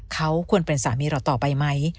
เขาควรเป็นสามีเราต่อไปไหม